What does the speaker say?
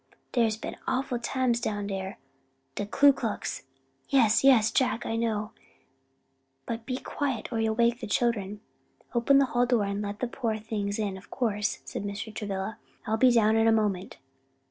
Dere's been awful times down dere; de Ku Klu " "Yes, yes, Jack, I know; but be quiet or you'll wake the children. Open the hall door and let the poor things in, of course," said Mr. Travilla, "and I'll be down in a moment."